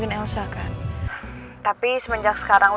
gue lagi lemah banget zak